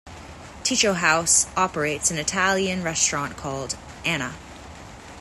Ticho House operates an Italian restaurant called Anna.